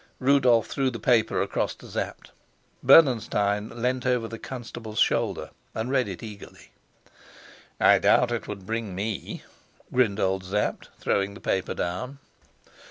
Rudolf threw the paper across to Sapt; Bernenstein leant over the constable's shoulder and read it eagerly. "I doubt if it would bring me," grinned old Sapt, throwing the paper down.